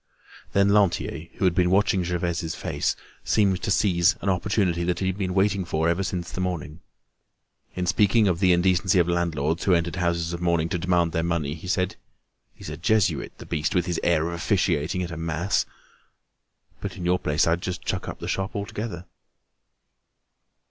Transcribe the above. Then Lantier, who had been watching Gervaise's face, seemed to seize an opportunity that he had been waiting for ever since the morning. In speaking of the indecency of landlords who entered houses of mourning to demand their money, he said: "He's a Jesuit, the beast, with his air of officiating at a mass! But in your place, I'd just chuck up the shop altogether."